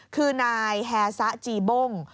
คือนายแฮซะจีบ้ง